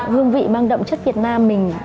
hương vị mang động chất việt nam mình